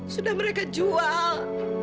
sudah mereka jual